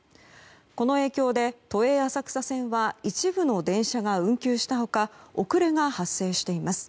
この影響で都営浅草線は一部の電車が運休した他遅れが発生しています。